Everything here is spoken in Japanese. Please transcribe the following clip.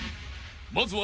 まずは］